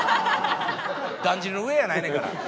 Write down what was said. だんじりの上やないねんから。